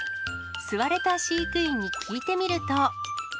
吸われた飼育員に聞いてみると。